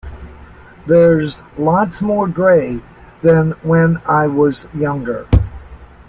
There's lots more grey than when I was younger.